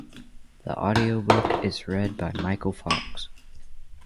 The audiobook is read by Michael Fox.